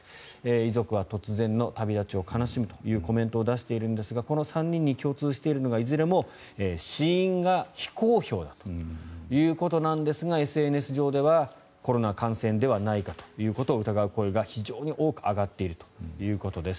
遺族は突然の旅立ちを悲しむというコメントを出しているんですがこの３人に共通しているのがいずれも死因が非公表だということですがＳＮＳ上ではコロナ感染ではないかということを疑う声が非常に多く上がっているということです。